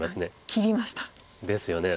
切りました。ですよね。